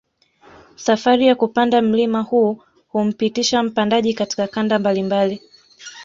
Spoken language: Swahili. Safari ya kupanda mlima huu humpitisha mpandaji katika kanda mbalimbali